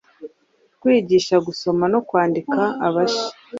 kwigisha gusoma no kwandika abashya,